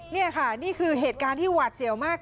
นี่ค่ะนี่คือเหตุการณ์ที่หวาดเสียวมาก